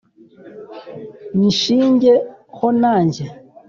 Nyishinge ho nanjye,